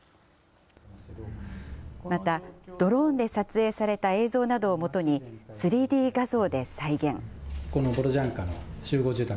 またドローンで撮影された映像などをもとに３Ｄ画像で再現。